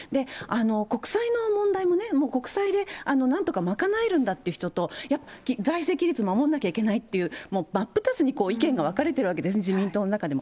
国債の問題もね、もう国債でなんとか賄えるんだって人と、いや、財政規律守らなきゃいけないという人と、真っ二つに意見が分かれてるわけです、自民党の中でも。